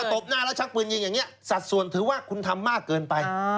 ตบหน้าแล้วชักปืนยิงอย่างนี้สัดส่วนถือว่าคุณทำมากเกินไป